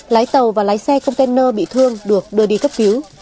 lái tàu và lái xe container bị thương được đưa đi cấp cứu